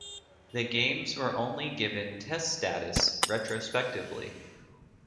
The games were only given Test status retrospectively.